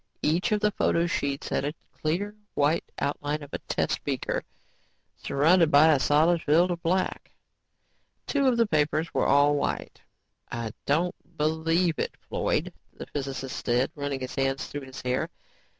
Each of the photo sheets had a clear, white outline of a test beaker surrounded by a solid field of black. Two of the papers were all white. "I don't believe it, Floyd," the physicist said, running his hands through his hair.